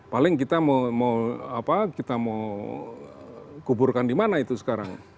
paling kita mau kuburkan dimana itu sekarang